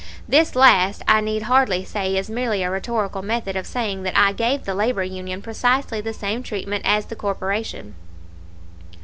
[This last, I need hardly say, is merely a rhetorical method of saying that I gave the labor union precisely the same treatment as the corporation.